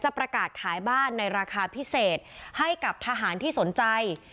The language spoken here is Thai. ประกาศขายบ้านในราคาพิเศษให้กับทหารที่สนใจ